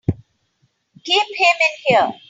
Keep him in here!